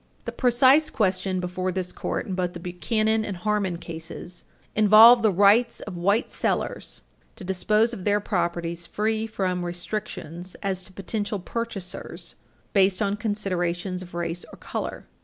The precise question before this Court in both the Buchanan and Harmon cases involved the rights of white sellers to dispose of their properties free from restrictions as to potential purchasers based on considerations of race or color.